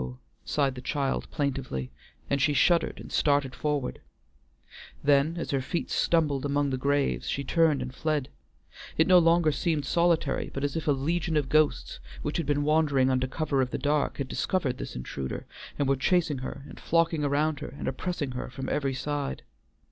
sighed the child plaintively, and she shuddered, and started forward; then, as her feet stumbled among the graves, she turned and fled. It no longer seemed solitary, but as if a legion of ghosts which had been wandering under cover of the dark had discovered this intruder, and were chasing her and flocking around her and oppressing her from every side.